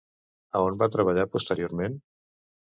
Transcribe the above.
A on va treballar posteriorment?